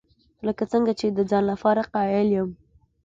لکه څنګه چې د ځان لپاره قایل یم.